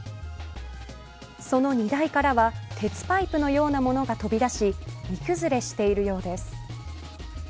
その荷台からは鉄パイプのようなものが飛び出し荷崩れしているようです。